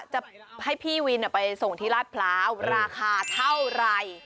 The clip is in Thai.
จะให้พี่วินปล่อยไปส่งที่ราชเผาราคาเท่าไร